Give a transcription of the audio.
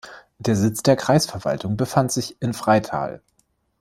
Der Sitz der Kreisverwaltung befand sich in Freital.